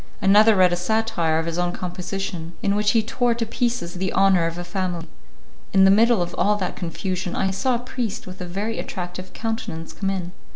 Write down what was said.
Another read a satire of his own composition, in which he tore to pieces the honour of a family. In the middle of all that confusion, I saw a priest with a very attractive countenance come in.